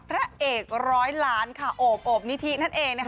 พระเอก๑๐๐ล้านโอบ์หนิทินั่นเอง